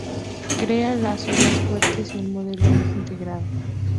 Crea lazos más fuertes y un modelo más integrado.